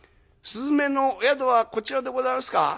雀の宿はこちらでございますか？」。